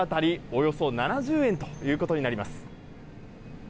およそ７０円ということになります。